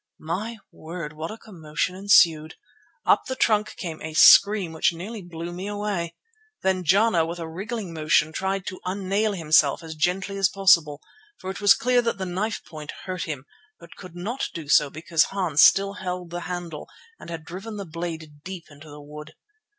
My word! what a commotion ensued! Up the trunk came a scream which nearly blew me away. Then Jana, with a wriggling motion, tried to unnail himself as gently as possible, for it was clear that the knife point hurt him, but could not do so because Hans still held the handle and had driven the blade deep into the wood.